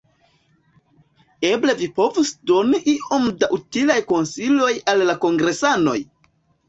Eble vi povus doni iom da utilaj konsiloj al la kongresanoj?